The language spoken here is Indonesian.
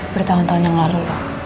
bertahun tahun yang lalu